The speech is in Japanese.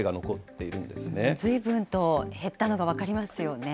ずいぶんと減ったのが分かりますよね。